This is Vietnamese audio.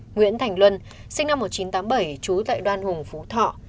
nguyễn thành luân sinh năm một nghìn chín trăm tám mươi bảy chú tại đoàn hùng phú thọ